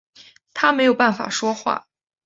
他没有办法说话